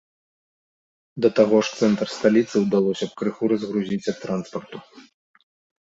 Да таго ж цэнтр сталіцы ўдалося б крыху разгрузіць ад транспарту.